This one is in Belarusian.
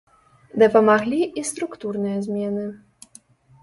Дапамаглі і структурныя змены.